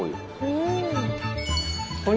うん。